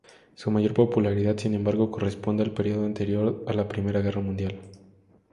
Su mayor popularidad, sin embargo, corresponde al período anterior a la Primera Guerra Mundial.